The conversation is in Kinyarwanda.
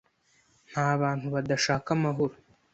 Nta bantu badashaka amahoro.